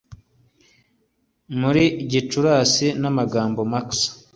Muri Gicurasi n'amagambo max